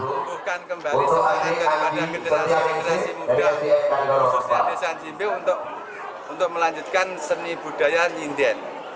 untuk membutuhkan kembali sebuah antara generasi muda khususnya desa jimbe untuk melanjutkan seni budaya sinden